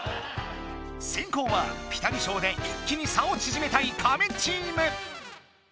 先攻はピタリ賞で一気に差をちぢめたいカメチーム！